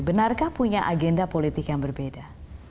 benarkah punya agenda politik yang berbeda